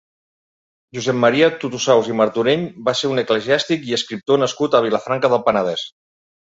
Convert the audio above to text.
Josep Maria Totosaus i Martorell va ser un esclesiàstic i escriptor nascut a Vilafranca del Penedès.